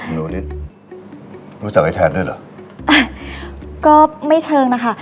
หนูนิดรู้จักไอ้แทนด้วยเหรออ่ะก็ไม่เชิงนะคะ